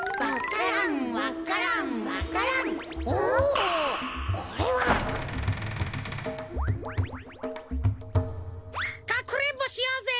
かくれんぼしようぜ。